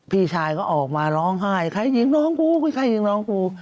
พี่ชายก็ออกมาร้องไห้ใครยิงน้องกูไม่ใช่ยิงน้องกู